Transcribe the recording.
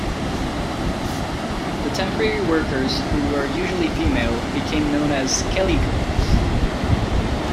The temporary workers, who were usually female, became known as 'Kelly girls'.